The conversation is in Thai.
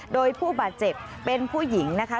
โดยผู้บาดเจ็บเป็นผู้หญิงนะคะ